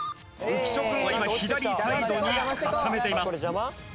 浮所君は今左サイドに固めています。